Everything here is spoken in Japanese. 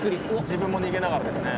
自分も逃げながらですね。